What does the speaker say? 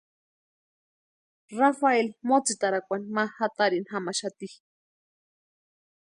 Rafaeli motsitarakwani ma jatarini jamaxati.